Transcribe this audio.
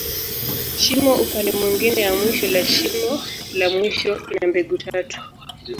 Shimo upande mwingine ya mwisho la shimo la mwisho, ina mbegu tatu.